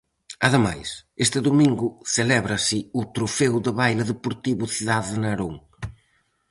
Ademais, este domingo celébrase o Trofeo de Baile Deportivo Cidade de Narón.